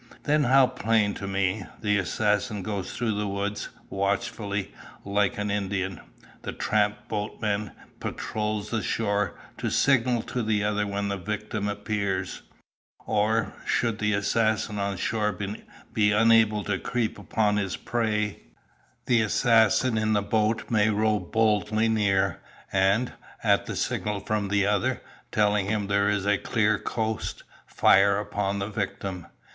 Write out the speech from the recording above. Then how plain to me, the assassin goes through the woods, watchfully, like an Indian. The tramp boatman patrols the shore, to signal to the other when the victim appears; or, should the assassin on shore be unable to creep upon his prey, the assassin in the boat may row boldly near, and, at the signal from the other, telling him there is a clear coast, fire upon the victim.